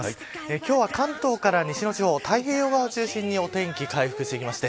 今日は関東から西の地方太平洋側を中心にお天気、回復してきます。